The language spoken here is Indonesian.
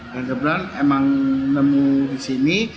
dan kebetulan emang nemu disini